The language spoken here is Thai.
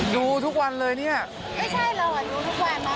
ดูทุกวันเลยเนี้ยไม่ใช่เราอ่ะดูทุกวันมาค่ะแต่ว่ายังหาไม่ได้